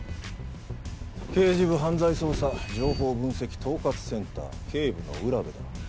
刑事部犯罪捜査情報分析統括センター警部の占部だ。